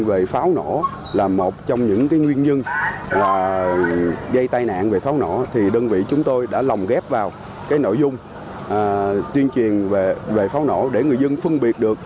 về pháo nổ là một trong những nguyên nhân là gây tai nạn về pháo nổ thì đơn vị chúng tôi đã lồng ghép vào cái nội dung tuyên truyền về pháo nổ để người dân phân biệt được